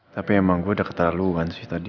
tapi emang gue udah ketaluan sih tadi